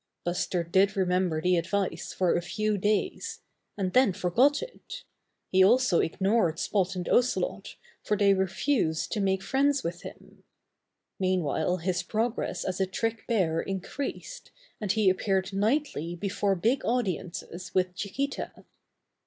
Buster did remember the advice for a few days, and then forgot it. He also ignored Spot and Ocelot, for they refused to make friends with him. Meanwhile, his progress as a trick bear increased, and he appeared nightly before big audiences with Chiquita.